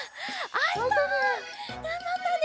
あいたね。